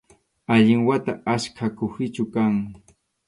Allin wata ackha kuhichu kan